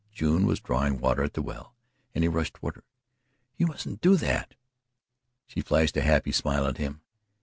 June was drawing water at the well, and he rushed toward her: "Here, you mustn't do that." She flashed a happy smile at him.